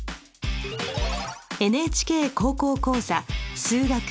「ＮＨＫ高校講座数学Ⅱ」。